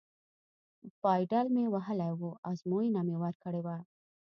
پایډل مې وهلی و، ازموینه مې ورکړې وه.